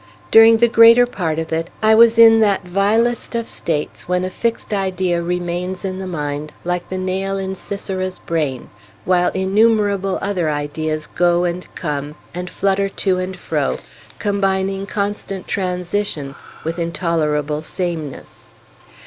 During the greater part of it, I was in that vilest of states when a fixed idea remains in the mind, like the nail in Sisera's brain, while innumerable other ideas go and come, and flutter to and fro, combining constant transition with intolerable sameness.